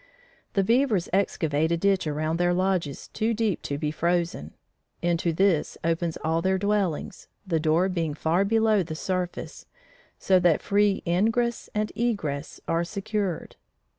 The beavers excavate a ditch around their lodges too deep to be frozen. Into this opens all their dwellings, the door being far below the surface, so that free ingress and egress are secured.